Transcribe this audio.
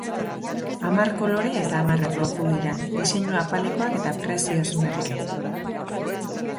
Hamar kolore eta hamar erloju dira, diseinu apalekoak eta prezioz merke.